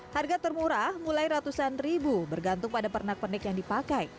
harga termurah mulai ratusan ribu bergantung pada pernak pernik yang dipakai